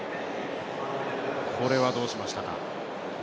これはどうしましたか。